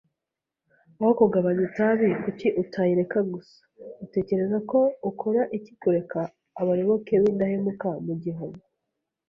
Aho kugabanya itabi, kuki utayireka gusa? Utekereza ko ukora iki kureka abayoboke b'indahemuka mu gihome?